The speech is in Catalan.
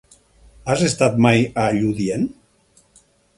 Has estat mai a Lludient?